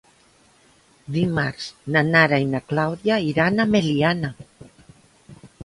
Dimarts na Nara i na Clàudia iran a Meliana.